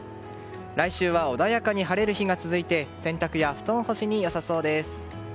来週は穏やかに晴れる日が続いて洗濯や布団干しに良さそうです。